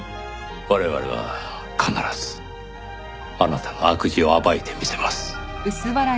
我々は必ずあなたの悪事を暴いてみせます。